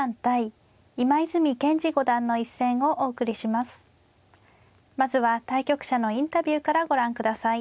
まずは対局者のインタビューからご覧ください。